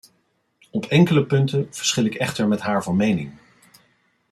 Op enkele punten verschil ik echter met haar van mening.